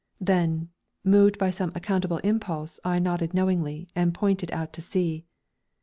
Then, moved by some unaccountable impulse, I nodded knowingly, and pointed out to sea.